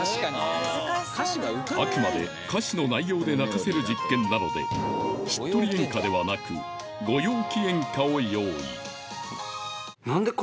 あくまで歌詞の内容で泣かせる実験なのでしっとり演歌ではなくご陽気演歌を用意